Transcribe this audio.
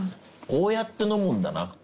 こうやって飲むんだな。